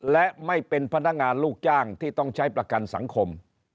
และไม่เป็นพนักงานลูกจ้างที่ต้องใช้ประกันสังคม